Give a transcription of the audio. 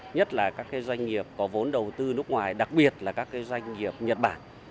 nhất là các doanh nghiệp có vốn đầu tư nước ngoài đặc biệt là các doanh nghiệp nhật bản